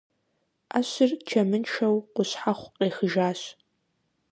Ӏэщыр чэмыншэу къущхьэхъу къехыжащ.